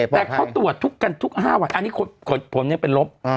แต่เขาตรวจทุกกันทุก๕วันอันนี้ผลยังเป็นลบ